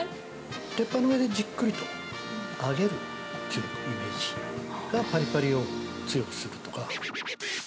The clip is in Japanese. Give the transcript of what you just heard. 鉄板の上でじっくりと揚げるというイメージが、ぱりぱりを強くするとか。